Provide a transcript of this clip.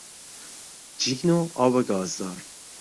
جین و آب گازدار